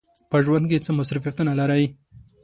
په ژوند کې څه مصروفیتونه لرئ؟